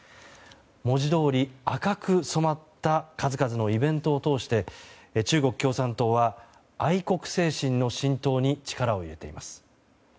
文字どおり、紅く染まった数々のイベントを通して中国共産党は愛国精神の浸透に力を入れています。